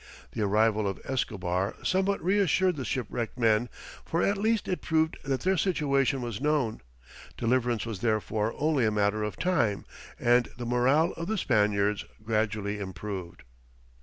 The arrival of Escobar somewhat reassured the shipwrecked men, for at least it proved that their situation was known. Deliverance was therefore only a matter of time, and the morale of the Spaniards gradually improved.